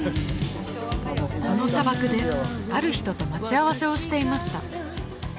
この砂漠である人と待ち合わせをしていました